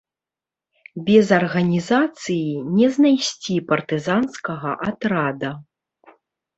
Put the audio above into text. Без арганізацыі не знайсці партызанскага атрада.